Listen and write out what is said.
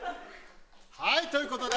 はいという事で。